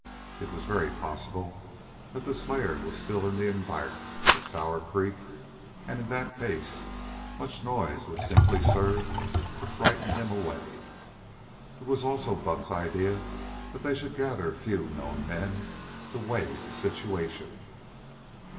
It was very possible that the slayer was still in the environs of Sour Creek, and in that case much noise would simply serve to frighten him away. It was also Buck's idea that they should gather a few known men to weigh the situation.